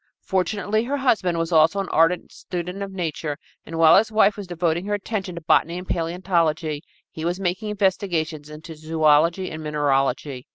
Fortunately, her husband was also an ardent student of nature, and while his wife was devoting her attention to botany and paleontology, he was making investigations in zoölogy and mineralogy.